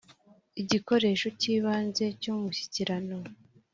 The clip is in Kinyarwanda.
igikoresho cy’ibanze, cy’umushyikirano